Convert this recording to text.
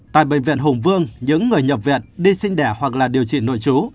tại bệnh viện hùng vương những người nhập viện đi sinh đẻ hoặc là điều trị nội chú